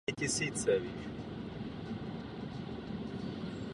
Vaši připomínku předáme příslušným orgánům.